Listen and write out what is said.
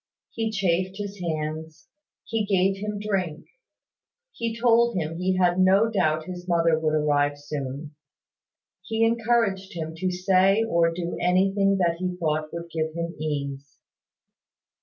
He chafed his hands, he gave him drink; he told him he had no doubt his mother would arrive soon; he encouraged him to say or do anything that he thought would give him ease.